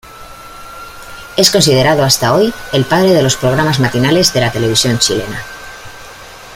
Es considerado hasta hoy el padre de los programas matinales de la televisión chilena.